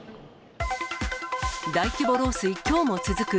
大規模漏水、きょうも続く。